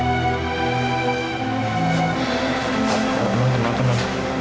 tengok tengok tengok